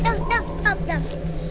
udang udang udang